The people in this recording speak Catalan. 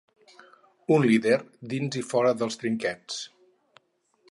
Un lider dins i fora dels trinquets.